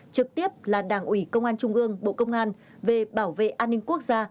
trực tiếp là đảng ủy công an trung ương bộ công an về bảo vệ an ninh quốc gia